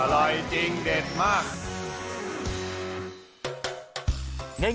อร่อยจริงเด็ดมาก